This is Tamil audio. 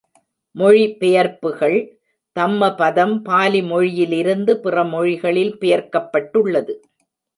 மொழி பெயர்ப்புகள் தம்மபதம் பாலி மொழியிலிருந்து பிறமொழிகளில் பெயர்க்கப்பட்டுள்ளது.